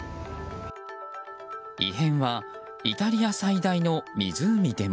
異変はイタリア最大の湖でも。